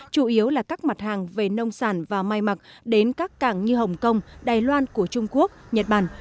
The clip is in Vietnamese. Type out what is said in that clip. chủ yếu là các mặt hàng về nông sản và mai mặt đến các cảng như hồng kông đài loan của trung quốc nhật bản